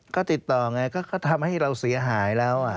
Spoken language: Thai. ก็ติดต่อไงก็ทำให้เราเสียหายแล้ว